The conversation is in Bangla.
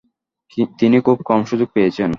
তিনি খুব কম সুযোগ পেয়েছেন।